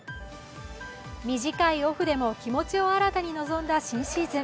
短いオフでも気持ちを新たに臨んだ新シーズン。